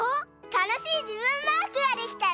たのしいじぶんマークができたら。